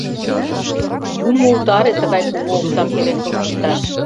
— Юмо утаре тыгай кугу оксам пелен коштыкташ!